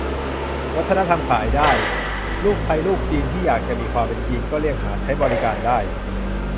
วัฒนธรรมขายได้ : ลูกไทยลูกจีนที่อยากจะมีความเป็นจีน ก็เรียกหาใช้บริการได้